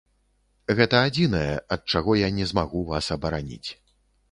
Гэта адзінае, ад чаго я не змагу вас абараніць.